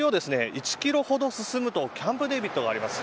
１キロほど進むとキャンプデービットがあります。